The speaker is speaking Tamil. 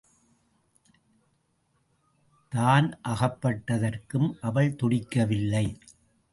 தான் அகப்பட்டதற்கும் அவள் துடிக்கவில்லை.